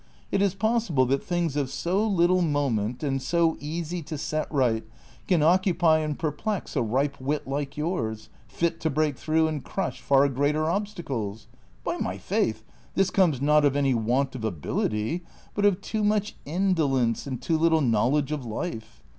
How ? Is it possible that things of so little moment and so easy to set right can occujjy and perplex a ripe wit like yours, fit to lireak through and crush far greater obstacles ? By my faith, this comes, not of any Avant of ability, but of too much indolence and too little knowledge of life.